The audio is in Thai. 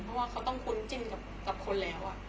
เพราะว่าเขาต้องคุ้นจิ้นกับคนแล้ว